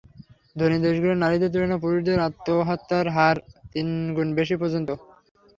ধনী দেশগুলোয় নারীদের তুলনায় পুরুষদের আত্মহত্যার হার তিন গুণ পর্যন্ত বেশি।